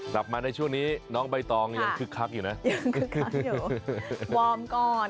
ดับมาในช่วงนี้น้องใบตองยังคึกคักอยู่นะยังคึกคักอยู่วอร์มก่อน